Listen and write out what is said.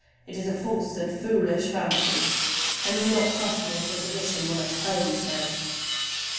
It is a false and foolish fancy. Can you not trust me as a physician when I tell you so?"